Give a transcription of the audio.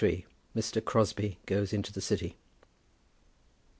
MR. CROSBIE GOES INTO THE CITY.